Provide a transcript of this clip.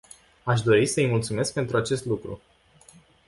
Aș dori să îi mulțumesc pentru acest lucru.